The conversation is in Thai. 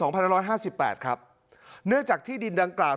สองพันร้อยห้าสิบแปดครับเนื่องจากที่ดินดังกล่าว